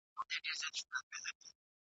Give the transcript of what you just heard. ورځي به توري شپې به ا وږدې وي ..